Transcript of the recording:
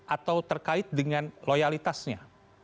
atau terkait dengan loyalitasnya